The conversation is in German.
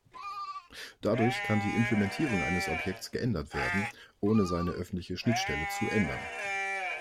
Dadurch kann die Implementierung eines Objekts geändert werden, ohne seine öffentliche Schnittstelle zu ändern.